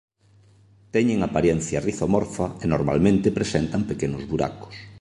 Teñen aparencia rizomorfa e normalmente presentan pequenos buracos.